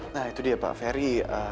nah itu dia pak ferry